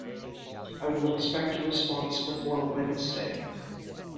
I will expect a response before Wednesday